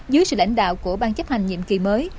dưới sự lãnh đạo của ban chấp hành nhiệm kỳ mới